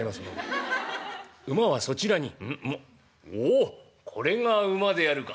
おこれが馬であるか。